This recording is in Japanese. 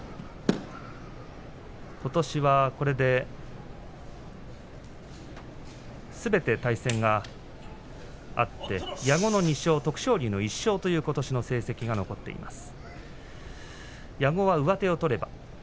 ことしはこれですべて対戦があって矢後の２勝、徳勝龍の１勝ということしの成績が残っています。